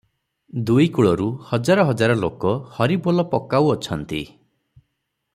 ଦୁଇ କୂଳରୁ ହଜାର ହଜାର ଲୋକ 'ହରିବୋଲ' ପକାଉଅଛନ୍ତି |